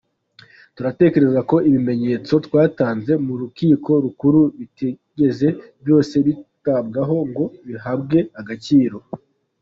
Turatekereza ko ibimentetso twatanze mu rukiko rukuru bitigeze byose byitabwaho ngo bihabwe agaciro.»